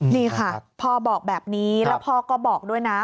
นี่ค่ะพ่อบอกแบบนี้แล้วพ่อก็บอกด้วยนะ